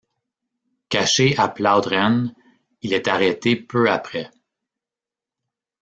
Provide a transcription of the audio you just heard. Caché à Plaudren, il y est arrêté peu après.